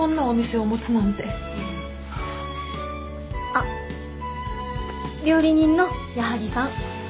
あっ料理人の矢作さん。